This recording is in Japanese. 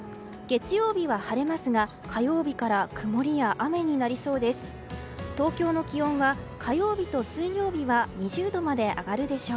月曜日は晴れますが、火曜日から曇りや雨になりそうです。